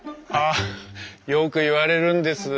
あよく言われるんです。